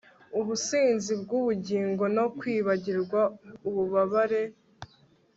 ubusinzi bwubugingo no kwibagirwa ububabare